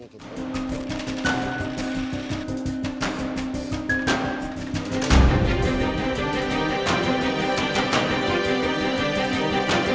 kepala komoditi lantai